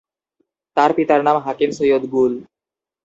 তার পিতার নাম হাকিম সৈয়দ গুল।